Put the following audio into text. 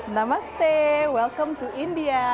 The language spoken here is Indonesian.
namaste selamat datang ke india